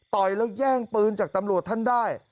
ต่อยแล้วแย่งปืนจากตำรวจท่านได้